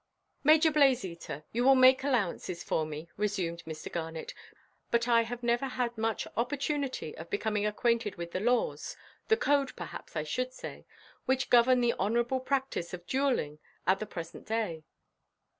"Major Blazeater, you will make allowances for me," resumed Mr. Garnet; "but I have never had much opportunity of becoming acquainted with the laws—the code, perhaps, I should say—which govern the honourable practice of duelling at the present day."